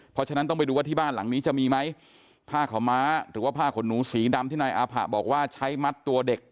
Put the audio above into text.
เพราะฉะนั้นต้องไปดูว่าที่บ้านหลังนี้จะมีไหมผ้าขาวม้าหรือว่าผ้าขนหนูสีดำที่นายอาผะบอกว่าใช้มัดตัวเด็ก